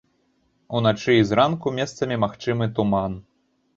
Уначы і зранку месцамі магчымы туман.